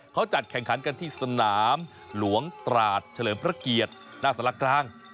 เขาจัดแข่งขันกันที่สนามหลวงตราดเฉลิมพระเกียรติหน้าสารกลาง